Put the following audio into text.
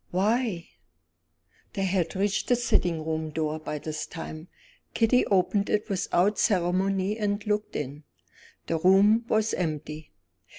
"Why?" They had reached the sitting room door by this time. Kitty opened it without ceremony and looked in. The room was empty.